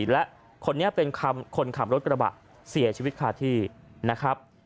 และคนนี้เป็นคนขับรถกระบะเสียชีวิตคาที่นะครับ